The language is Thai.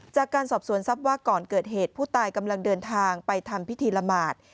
จากการสอบสวนทรัพย์ว่าก่อนเกิดเหตุผู้ตายกำลังเดินทางไปทำพิธีละหมาด